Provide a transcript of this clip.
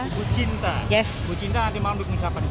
ibu cinta ibu cinta nanti mau mencoba